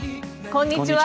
こんにちは。